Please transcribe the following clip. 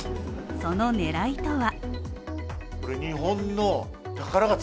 その狙いとは？